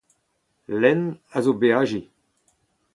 Lenn a zo beajiñ.